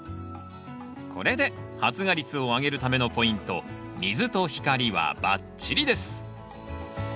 これで発芽率を上げるためのポイント水と光はばっちりです！